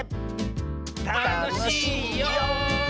たのしいよ！